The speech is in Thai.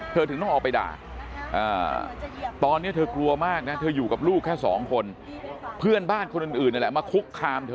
ถึงต้องออกไปด่าตอนนี้เธอกลัวมากนะเธออยู่กับลูกแค่สองคนเพื่อนบ้านคนอื่นนั่นแหละมาคุกคามเธอ